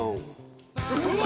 うわ！